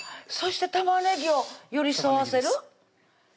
そして玉ねぎを寄り添わせる？